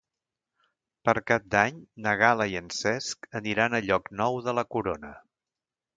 Per Cap d'Any na Gal·la i en Cesc aniran a Llocnou de la Corona.